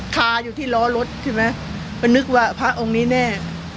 คาอยู่ที่ล้อรถใช่ไหมก็นึกว่าพระองค์นี้แน่